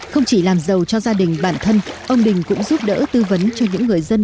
không chỉ làm giàu cho gia đình bản thân ông đình cũng giúp đỡ tư vấn cho những người dân